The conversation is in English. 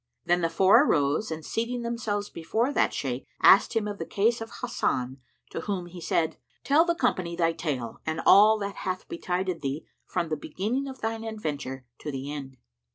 Then the four arose and seating themselves before that Shaykh, asked him of the case of Hasan to whom he said, "Tell the company thy tale and all that hath betided thee from the beginning of thine adventure to the end."